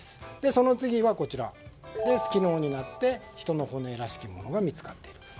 その次は昨日になって、人の骨らしきものが見つかっている。